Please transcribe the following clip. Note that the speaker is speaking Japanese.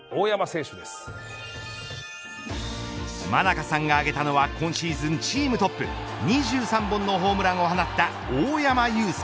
真中さんが挙げたのは今シーズンチームトップ２３本のホームランを放った大山悠輔。